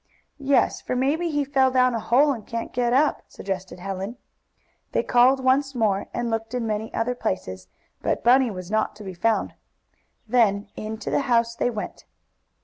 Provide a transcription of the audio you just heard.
"Yes, for maybe he fell down a hole, and can't get up," suggested Helen. They called once more, and looked in many other places, but Bunny was not to be found. Then into the house they went.